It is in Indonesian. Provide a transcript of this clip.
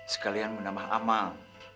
sekalian menambah amal